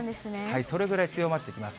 それぐらい強まってきます。